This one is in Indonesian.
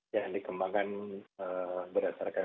yang dikembangkan berdasarkan